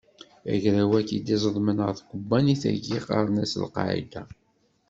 Agraw-agi i d-izedmen ɣer tkebbanit-agi qqaren-asen Al qqaɛida.